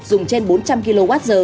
dùng trên bốn trăm linh kwh